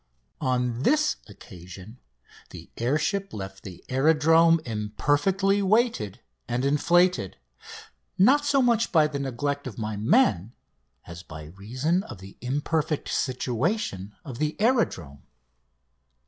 On this occasion the air ship left the aerodrome imperfectly weighed and inflated, not so much by the neglect of my men as by reason of the imperfect situation of the aerodrome.